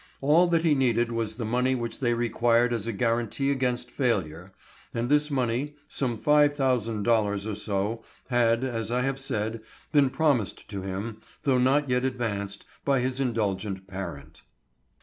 All that he needed was the money which they required as a guaranty against failure, and this money, some five thousand dollars or so, had, as I have said, been promised to him, though not yet advanced, by his indulgent parent.